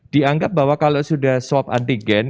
dianggap bahwa kalau sudah swab antigen